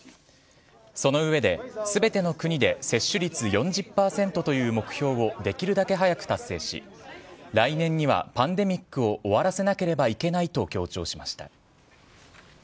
その上で、全ての国で接種率４０％という目標をできるだけ早く達成し来年にはパンデミックを終わらせなければいけないと強調しました。